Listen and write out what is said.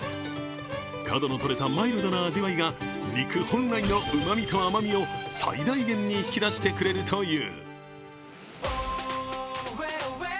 角のとれたマイルドな味わいが肉本来のうまみと甘味を最大限に引き出してくれるという。